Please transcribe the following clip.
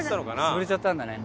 潰れちゃったんだね。